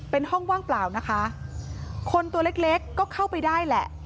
เป็นห้องว่างเปล่านะคะคนตัวเล็กเล็กก็เข้าไปได้แหละ